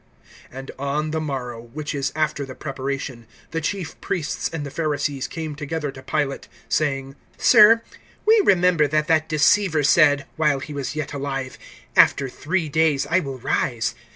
(62)And on the morrow, which is after the preparation, the chief priests and the Pharisees came together to Pilate, (63)saying: Sir, we remember that that deceiver said, while he was yet alive: After three days I will rise.